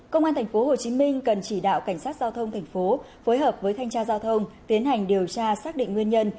công an tp hcm cần chỉ đạo cảnh sát giao thông thành phố phối hợp với thanh tra giao thông tiến hành điều tra xác định nguyên nhân